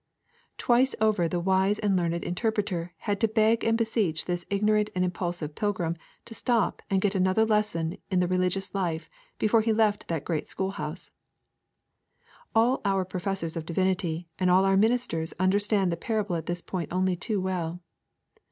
Twice over the wise and learned Interpreter had to beg and beseech this ignorant and impulsive pilgrim to stop and get another lesson in the religious life before he left the great school house. All our professors of divinity and all our ministers understand the parable at this point only too well.